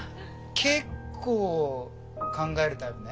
結構考えるタイプね？